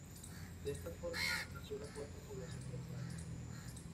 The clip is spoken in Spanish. De esta forma nació la cuarta población del valle.